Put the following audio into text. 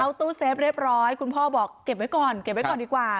เอาตู้เซฟเรียบร้อยคุณพ่อบอกเก็บไว้ก่อนเก็บไว้ก่อนดีกว่า